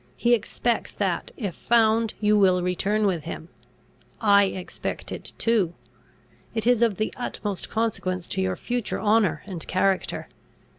He expects that, if found, you will return with him: I expect it too. It is of the utmost consequence to your future honour and character.